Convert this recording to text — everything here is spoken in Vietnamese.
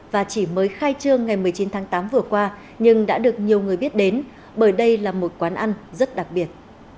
và chỉ mới khai trương ngày một mươi chín tháng tám vừa qua nhưng đã được nhiều người biết đến bởi đây là một quán ăn rất đặc biệt